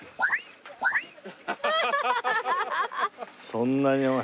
そんなにお前。